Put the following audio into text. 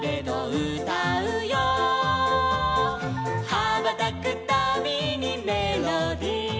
「はばたくたびにメロディ」